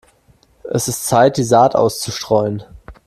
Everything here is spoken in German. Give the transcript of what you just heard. Es ist Zeit, die Saat auszustreuen.